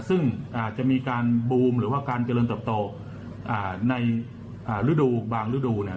ซึ่งอาจจะมีการบูมหรือว่าการเจริญเติบโตในฤดูบางฤดูเนี่ย